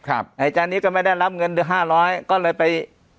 ไอ้จานนี้ก็ไม่ได้รับเงิน๕๐๐ก็เลยไป